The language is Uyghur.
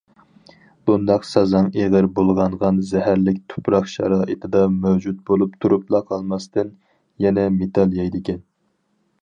بۇنداق سازاڭ ئېغىر بۇلغانغان زەھەرلىك تۇپراق شارائىتىدا مەۋجۇت بولۇپ تۇرۇپلا قالماستىن، يەنە مېتال يەيدىكەن.